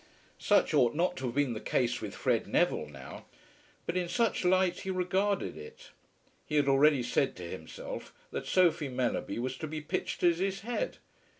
Such ought not to have been the case with Fred Neville now; but in such light he regarded it. He had already said to himself that Sophie Mellerby was to be pitched at his head.